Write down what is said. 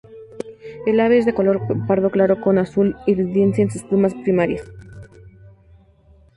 El ave es de color pardo claro con azul iridiscente en sus plumas primarias.